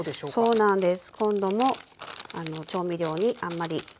そうなんです。